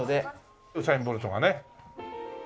ウサイン・ボルトがね。